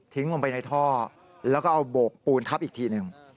ลงไปในท่อแล้วก็เอาโบกปูนทับอีกทีหนึ่ง